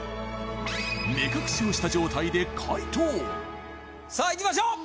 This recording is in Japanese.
目隠しをした状態で解答さあいきましょう！